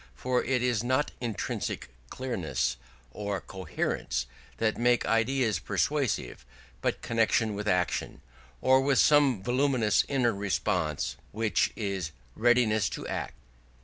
For it is not intrinsic clearness or coherence that make ideas persuasive, but connection with action, or with some voluminous inner response, which is readiness to act.